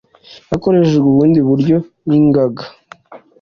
hakoreshejwe ubundi buryo nk ingaga